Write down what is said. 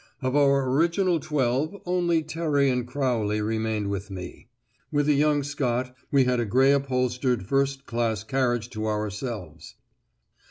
Of our original twelve only Terry and Crowley remained with me; with a young Scot, we had a grey upholstered first class carriage to ourselves.